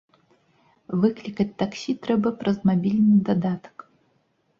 Выклікаць таксі трэба праз мабільны дадатак.